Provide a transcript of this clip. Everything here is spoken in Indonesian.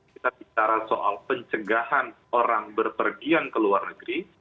kita bicara soal pencegahan orang berpergian ke luar negeri